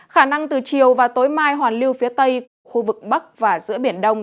khả năng từ chiều và tối mai hoàn lưu phía tây của khu vực bắc và giữa biển đông